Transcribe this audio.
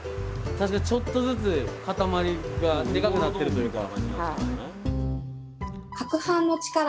確かにちょっとずつ固まりがデカくなってるというか。